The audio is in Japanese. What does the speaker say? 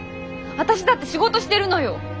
私だって仕事してるのよ！